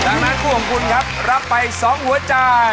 ดังนั้นคู่ของคุณครับรับไป๒หัวใจ